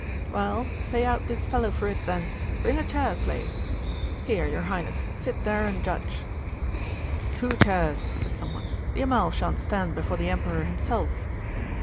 'Well, pay out this fellow for it, then. Bring a chair, slaves! Here, your Highness, sit there and judge.' 'Two chairs!' said some one; 'the Amal shan't stand before the emperor himself.